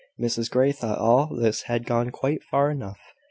Mrs Grey thought all this had gone quite far enough.